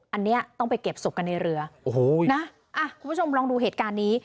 อันนี้ต้องไปเก็บศพกันในเรือโอ้โหนะอ่ะคุณผู้ชมลองดูเหตุการณ์นี้